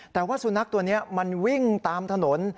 แต่ว่าสุนัขตัวนี้มันวิ่งตามถนน